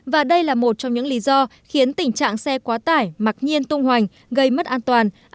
và đây là một trong những lý do khiến tình trạng xe quá tải mặc nhiên tung hoành gây mất an toàn